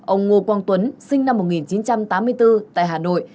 hai ông ngo quang tuấn sinh năm một nghìn chín trăm tám mươi bốn tại hà nội